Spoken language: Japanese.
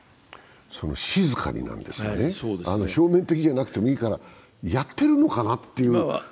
その静かになんですがね、表面的でなくていいからやってるのかなという。